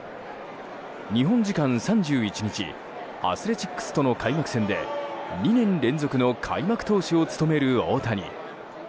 日本時間３１日アスレチックスとの開幕戦で２年連続の開幕投手を務める大谷。